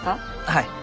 はい。